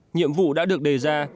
nhiệm vụ đã được đề ra